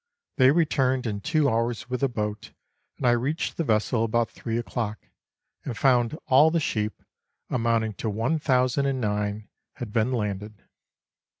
They returned in two hours with a boat, and I reached the vessel about three o'clock, and found all the sheep, amounting to 1,009, had been lauded.